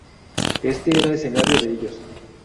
Éste era escenario de ellos.